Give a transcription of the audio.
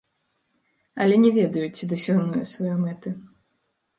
Але не ведаю, ці дасягну я сваёй мэты.